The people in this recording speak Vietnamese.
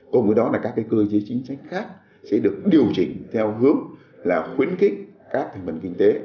cùng với đó là các cơ chế chính sách khác sẽ được điều chỉnh theo hướng là khuyến khích các thành phần kinh tế